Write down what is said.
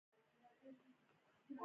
خبرې يې پر دې وې چې په ښار کې پاتې شي.